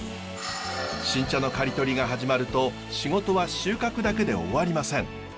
新茶の刈り取りが始まると仕事は収穫だけで終わりません。